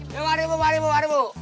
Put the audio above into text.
yuk mari bu mari bu mari bu